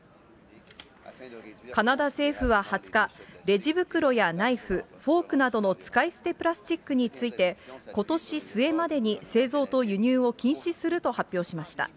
カナダ政府は２０日、レジ袋やナイフ、フォークなどの使い捨てプラスチックについて、ことし末までに製造と輸入を禁止すると発表しました。